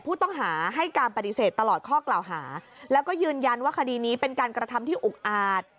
ผู้ต้องหาให้การปฏิเสธตลอดข้อกล่าวหาแล้วก็ยืนยันว่าคดีนี้เป็นการกระทำที่อุกอาจ